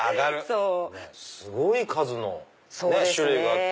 すごい数の種類があって。